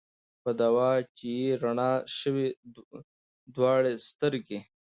په دوا چي یې رڼا سوې دواړي سترګي